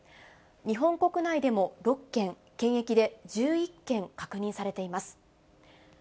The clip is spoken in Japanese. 日本国内でも６件、検疫で１１件確認されています。